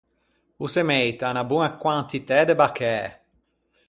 O se meita unna boña quantitæ de baccæ.